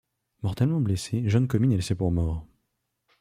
Mortellement blessé, John Comyn est laissé pour mort.